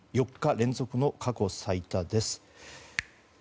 ４日連続の過去最多です。